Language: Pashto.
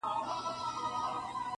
قاسم یاره وې تله که د خدای خپل سوې,